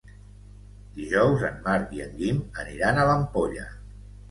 Dijous en Marc i en Guim aniran a l'Ampolla.